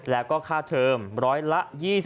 แล้วก็ค่าเทอมร้อยละ๒๐